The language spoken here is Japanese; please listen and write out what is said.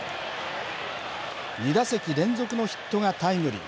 ２打席連続のヒットがタイムリー。